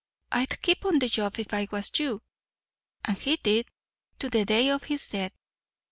I'd keep on the job if I was you!' And he did, to the day of his death.